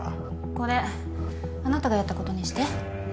これあなたがやったことにして